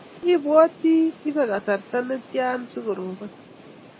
ibwati ibe kasarta netian siko robon